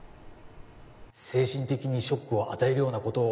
精神的にショックを与えるようなことを